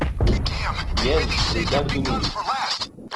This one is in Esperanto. Jen, rigardu min.